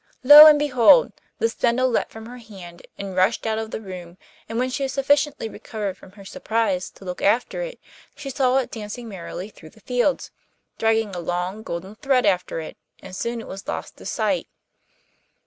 Lo, and behold! the spindle leapt from her hand and rushed out of the room, and when she had sufficiently recovered from her surprise to look after it she saw it dancing merrily through the fields, dragging a long golden thread after it, and soon it was lost to sight.